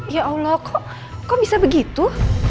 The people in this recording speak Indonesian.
ya allah kok kok bisa begitu